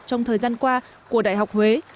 trong thời gian qua của đại học huế